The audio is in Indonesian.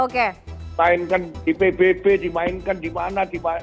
dimainkan di pbb dimainkan di mana di mana